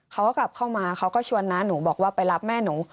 เขาก็กลับเข้ามาเขาก็ชวนน้าหนูบอกว่าไปรับแม่หนู